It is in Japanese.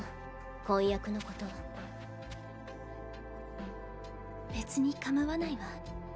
婚約のこと別にかまわないわ